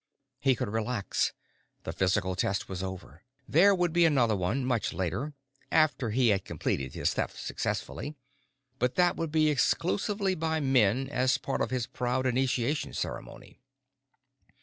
He could relax. The physical test was over. There would be another one, much later, after he had completed his theft successfully; but that would be exclusively by men as part of his proud initiation ceremony.